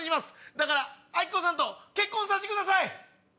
だからアキコさんと結婚させてください！